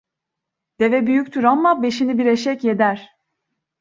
Deve büyüktür amma beşini bir eşek yeder.